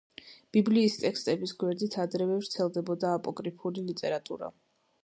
ბიბლიის ტექსტების გვერდით ადრევე ვრცელდებოდა აპოკრიფული ლიტერატურა.